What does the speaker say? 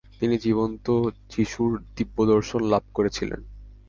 তিনি জীবন্ত যিশুর দিব্যদর্শন লাভ করেছিলেন।